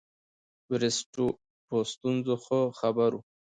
بریسټو په ستونزو ښه خبر وو.